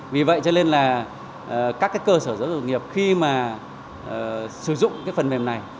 vì vậy cho nên là các cơ sở giáo dục nghiệp khi mà sử dụng cái phần mềm này